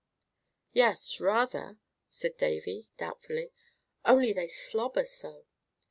"Yes, rather," said Davy, doubtfully; "only they slobber so."